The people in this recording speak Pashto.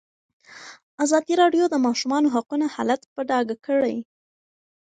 ازادي راډیو د د ماشومانو حقونه حالت په ډاګه کړی.